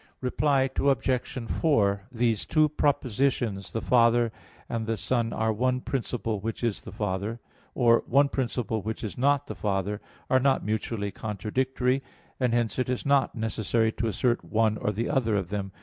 Reply Obj. 4: These two propositions, "The Father and the Son are one principle which is the Father," or, "one principle which is not the Father," are not mutually contradictory; and hence it is not necessary to assert one or other of them.